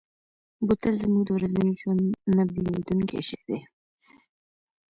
بوتل زموږ د ورځني ژوند نه بېلېدونکی شی دی.